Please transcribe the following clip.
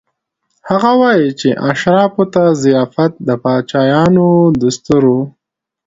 هغه وايي چې اشرافو ته ضیافت د پاچایانو دستور و.